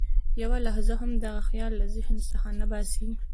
یوه لحظه هم دغه خیال له ذهن څخه نه باسي.